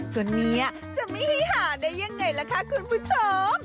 ก็เนี่ยจะไม่ให้หาได้ยังไงล่ะคะคุณผู้ชม